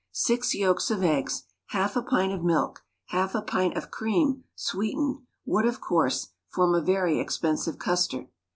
Six yolks of eggs, half a pint of milk, half a pint of cream, sweetened, would, of course, form a very expensive custard.